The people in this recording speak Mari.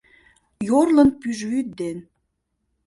Йорлын пӱжвӱд ден